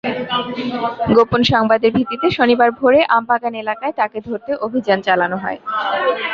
গোপন সংবাদের ভিত্তিতে শনিবার ভোরে আমবাগান এলাকায় তাঁকে ধরতে অভিযান চালানো হয়।